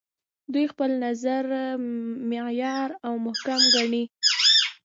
دوی خپل نظر معیار او محک ګڼي.